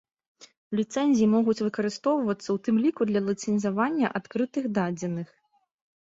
Ліцэнзіі могуць выкарыстоўвацца ў тым ліку для ліцэнзавання адкрытых дадзеных.